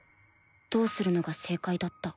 どうするのが正解だった？